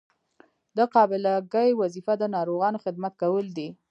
د قابله ګۍ وظیفه د ناروغانو خدمت کول دي.